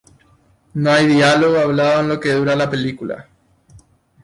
No hay diálogo hablado en lo que dura la película.